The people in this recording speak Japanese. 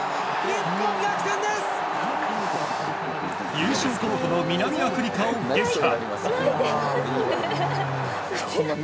優勝候補の南アフリカを撃破。